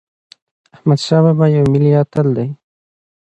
احمدشاه بابا یو ملي اتل دی.